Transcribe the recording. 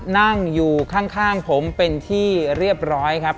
นั่งอยู่ข้างผมเป็นที่เรียบร้อยครับ